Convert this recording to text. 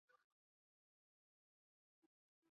氢化铟锂的还原性介于硼氢化锂和氢化铝锂之间。